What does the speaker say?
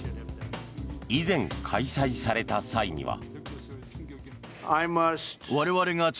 以前開催された際には。